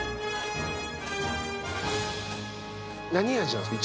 何味なんすか？